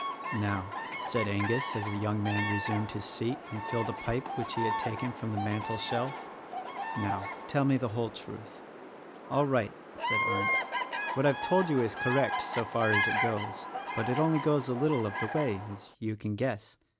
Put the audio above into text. "Now," said Angus as the young man resumed his 19 20 THE RECORDING ANGEL seat and filled a pipe which he had taken from the mantel shelf, "Now, tell me the whole truth." "All right," said Arndt; "what I've told you is correct so far as it goes; but it only goes a little of the way, as you can guess.